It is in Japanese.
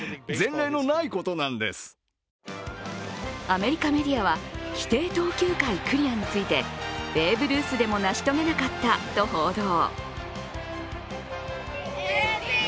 アメリカメディアは規定投球回クリアについてベーブ・ルースでも成し遂げなかったと報道。